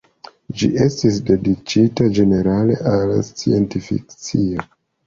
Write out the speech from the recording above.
Ĝi estis dediĉita ĝenerale al sciencfikcio.